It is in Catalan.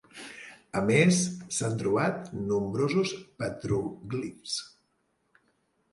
A més, s'han trobat nombrosos petròglifs.